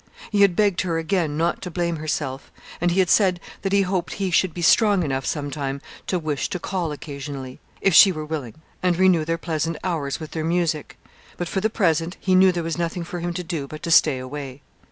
He had begged her again not to blame herself, and he had said that he hoped he should be strong enough sometime to wish to call occasionally if she were willing and renew their pleasant hours with their music; but, for the present, he knew there was nothing for him to do but to stay away.